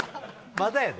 まだやで。